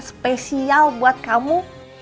spesial buat kamu